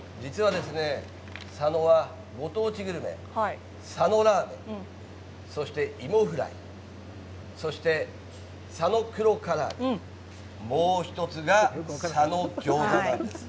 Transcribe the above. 佐野はご当地グルメ佐野ラーメンそして芋フライそして佐野黒からあげもう１つが佐野餃子なんです。